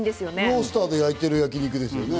ロースターで焼いている焼き肉の写真ですよね。